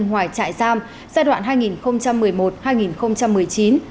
ngoài trại giam giai đoạn hai nghìn một mươi một hai nghìn một mươi chín